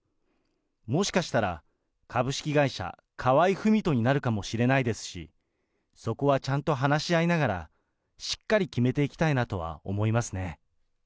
もしかしたら、株式会社河合郁人になるかもしれないですし、そこはちゃんと話し合いながら、しっかり決めていきたいなとは思いますね。